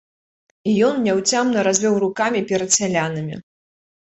І ён няўцямна развёў рукамі перад сялянамі.